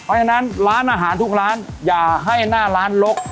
เพราะฉะนั้นร้านอาหารทุกร้านอย่าให้หน้าร้านลก